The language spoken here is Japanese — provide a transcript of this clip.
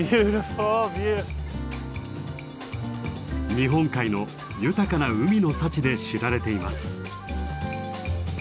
日本海の豊かな海の幸で知られています。